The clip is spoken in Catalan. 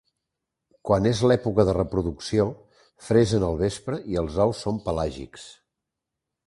Quan és l'època de reproducció, fresen al vespre i els ous són pelàgics.